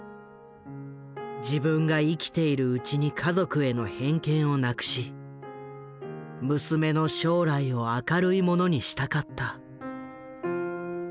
自分が生きているうちに家族への偏見をなくし娘の将来を明るいものにしたかった。